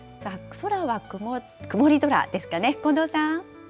空は曇り空ですかね、近藤さん。